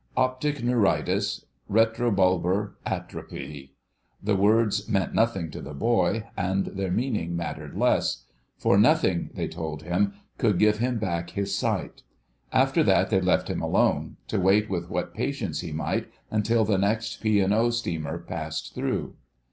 "Optic neuritis ... retrobulbar ... atrophy." The words meant nothing to the boy, and their meaning mattered less. For nothing, they told him, could give him back his sight. After that they left him alone, to wait with what patience he might until the next P. & O. steamer passed through.